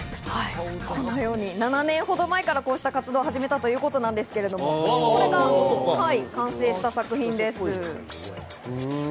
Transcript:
７年ほど前から、こうした活動を始めたということなんですが、これが完成した作品です。